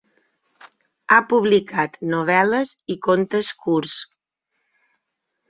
Ha publicat novel·les i contes curts.